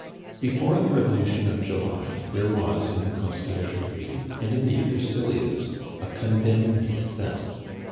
Before the Revolution of July there was in the Conciergerie, and indeed there still is, a condemned cell.